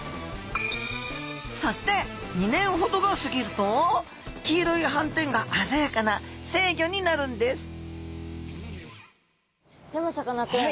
そして２年ほどが過ぎると黄色い斑点が鮮やかな成魚になるんですでもさかなクン。